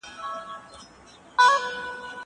هغه څوک چي امادګي منظم وي!